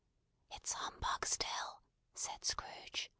"It's humbug still!" said Scrooge.